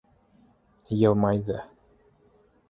Йылмайҙы.